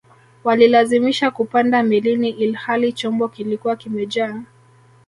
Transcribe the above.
walilazimisha kupanda melini ilihali chombo kilikuwa kimejaa